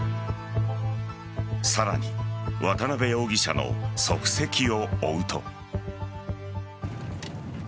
さらに、渡辺容疑者の足跡を追うと。